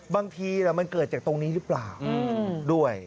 บางทีมันเกิดจากตรงนี้หรือเปล่าด้วย